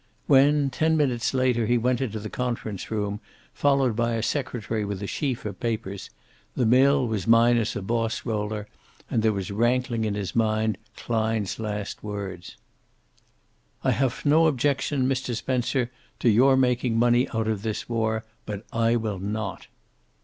When, ten minutes later, he went into the conference room, followed by a secretary with a sheaf of papers, the mill was minus a boss roller, and there was rankling in his mind Klein's last words. "I haf no objection, Mr. Spencer, to your making money out of this war, but I will not."